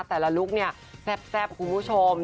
แต่ละลุ๊กเนี่ยแซ่บคุณผู้ชม